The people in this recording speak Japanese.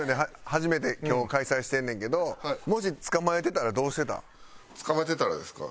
初めて今日開催してんねんけどもし捕まえてたらですか？